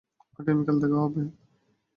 আগামীকাল দেখা হবে!